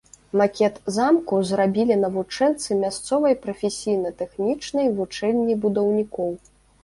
Макет замку зрабілі навучэнцы мясцовай прафесійна-тэхнічнай вучэльні будаўнікоў.